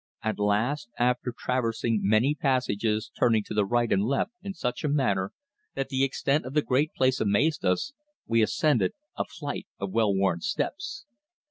At last, after traversing many passages turning to right and left in such a manner that the extent of the great place amazed us, we ascended a flight of well worn steps.